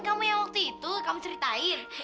kamu yang waktu itu kamu ceritain